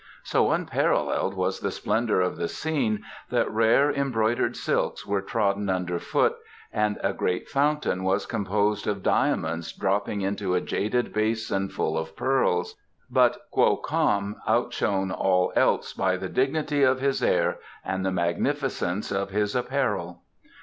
So unparalleled was the splendour of the scene that rare embroidered silks were trodden under foot and a great fountain was composed of diamonds dropping into a jade basin full of pearls, but Kwo Kam outshone all else by the dignity of his air and the magnificence of his apparel.